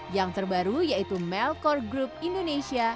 yang terbaru yaitu melkore group indonesia